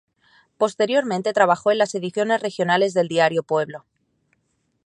Posteriormente trabajó en las ediciones regionales del diario Pueblo.